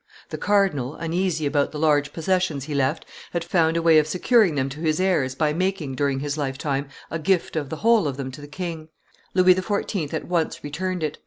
The cardinal, uneasy about the large possessions he left, had found a way of securing them to his heirs by making, during his lifetime, a gift of the whole of them to the king. Louis XIV. at once returned it.